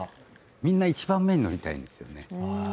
みんな一番目に見たいですよね。